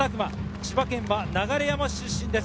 千葉県流山市出身です。